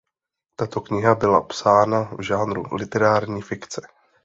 Tato kniha byla psána v žánru literární fikce.